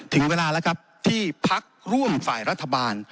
ถึงเวลาแล้วครับที่พักร่วมฝ่ายรัฐบาล